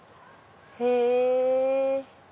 へぇ！